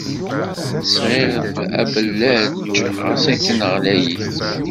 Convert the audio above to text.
Sɣiɣ-d abellarej ɣas akken ɣlayit.